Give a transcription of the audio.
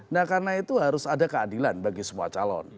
nah karena itu harus ada keadilan bagi semua calon